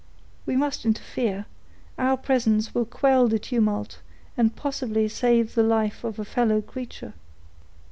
"We must interfere: our presence will quell the tumult, and possibly save the life of a fellow creature."